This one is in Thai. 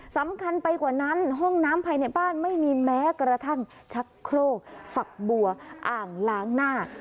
สำคัญไปกว่านั้นห้องน้ำภายในบ้านไม่มีแม้กระทั่งชักโครกฝักบัวอ่างล้างหน้า